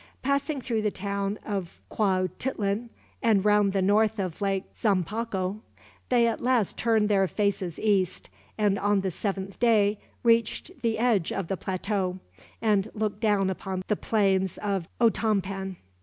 Passing through the town of Quauhtitlan, and round the north of Lake Tzompanco, they at last turned their faces east; and on the seventh day reached the edge of the plateau, and looked down upon the plains of Otompan.